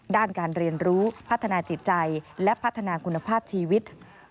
ด้านการเรียนรู้พัฒนาจิตใจและพัฒนาคุณภาพชีวิต